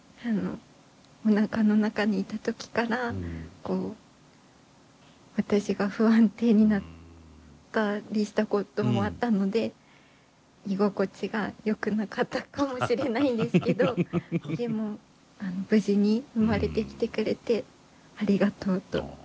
おなかの中にいた時から私が不安定になったりしたこともあったので居心地がよくなかったかもしれないんですけどでも無事に生まれてきてくれてありがとうと思いました。